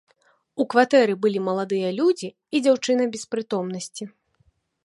У кватэры былі маладыя людзі і дзяўчына без прытомнасці.